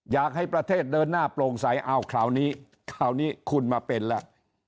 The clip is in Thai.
อยากให้ประเทศเดินหน้าโปร่งใสอ้าวคราวนี้คราวนี้คุณมาเป็นแล้ว